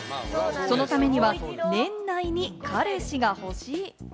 そのためには年内に彼氏が欲しい。